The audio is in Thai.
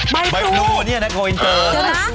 ใบโพเนี่ยนะโกอินเตอร์นะ